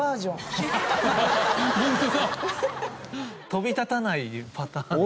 飛び立たないパターンの。